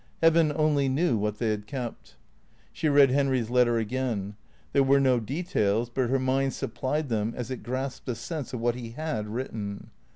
Heaven only knew what they had kept. She read Henry's letter again. There were no details, but her mind supplied them as it grasped the sense of what he had written.